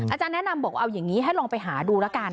อาจารย์แนะนำบอกเอาอย่างนี้ให้ลองไปหาดูแล้วกัน